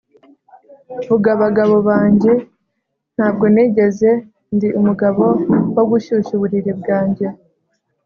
Vuga bagabo banjye Ntabwo nigeze ndi umugabo wo gushyushya uburiri bwanjye